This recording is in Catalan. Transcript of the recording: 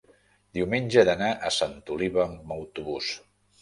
diumenge he d'anar a Santa Oliva amb autobús.